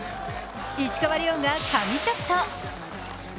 石川遼が神ショット。